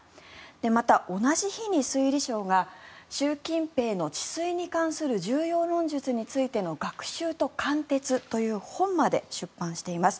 また、同じ日に水利省が「習近平の治水に関する重要論述についての学習と貫徹」という本まで出版しています。